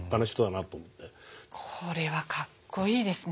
これはかっこいいですね。